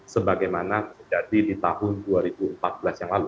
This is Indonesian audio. sebagaimana jadi di tahun dua ribu empat belas yang lalu